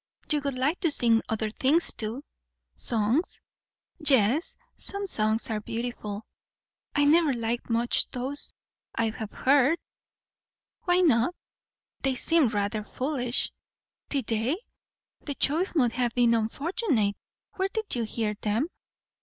"You would like to sing other things, too." "Songs?" "Yes. Some songs are beautiful." "I never liked much those I have heard." "Why not?" "They seemed rather foolish." "Did they! The choice must have been unfortunate. Where did you hear them?"